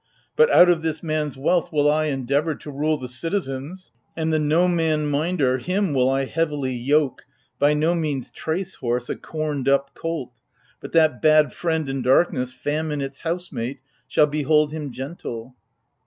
143 But out of this man's wealth will I endeavour To rule the citizens : and the no man minder — Him will I heavily yoke — by no means trace horse, A corned up colt ! but that bad friend in darkness, Famine its housemate, shall behold him gentle.